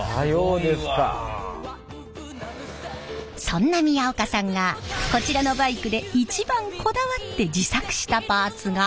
そんな宮岡さんがこちらのバイクで一番こだわって自作したパーツが。